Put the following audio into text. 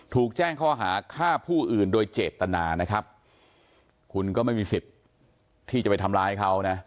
ถูกแจ้งข้อหาฆ่าผู้อื่นโดยเจตนานะครับคุณก็ไม่มีสิทธิ์ที่จะไปทำร้ายเขานะ